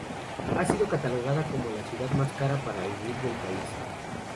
Ha sido catalogada como la ciudad más cara para vivir del país.